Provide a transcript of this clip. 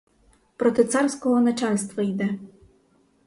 Проти царського начальства йде!